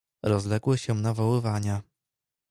"Rozległy się nawoływania."